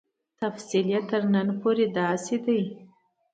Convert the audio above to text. تفصیل یې تر نن پورې داسې دی.